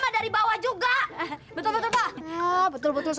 dari bawah juga betul betul betul betul